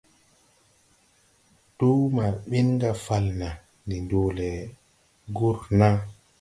Duu ma bin ga Falna, ndi nduu le Gurna.